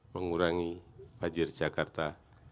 mengurangi banjir jakarta